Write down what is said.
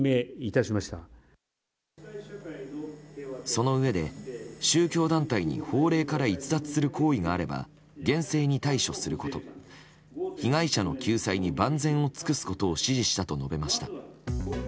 そのうえで、宗教団体に法令から逸脱する行為があれば厳正に対処すること被害者の救済に万全を尽くすことを指示したと述べました。